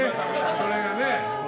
それがね。